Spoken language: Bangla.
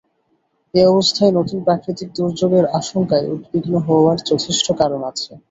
এ অবস্থায় নতুন প্রাকৃতিক দুর্যোগের আশঙ্কায় উদ্বিগ্ন হওয়ার যথেষ্ট কারণ রয়েছে।